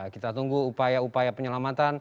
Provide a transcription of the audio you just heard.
kita tunggu upaya upaya penyelamatan